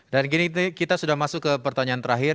dan gini kita sudah masuk ke pertanyaan terakhir